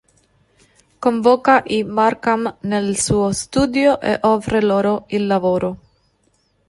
Convoca i Markham nel suo studio e offre loro il lavoro.